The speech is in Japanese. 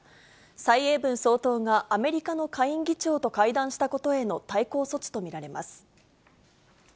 蔡英文総統がアメリカの下院議長と会談したことへの対抗措置と見られます。